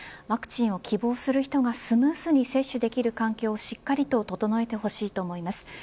ワクチンを希望する人がスムーズに接種できる環境をしっかりと整えてほしいと思います。